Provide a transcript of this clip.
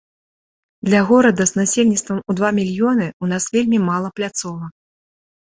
Для горада з насельніцтвам у два мільёны у нас вельмі мала пляцовак.